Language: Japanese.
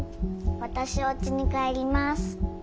わたしおうちに帰ります。